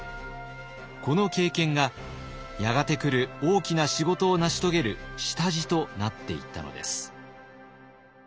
この経験がやがて来る大きな仕事を成し遂げる下地となっていったのです。